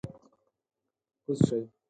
کوز شئ!